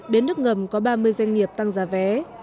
biến đức ngầm có ba mươi doanh nghiệp tăng giá vé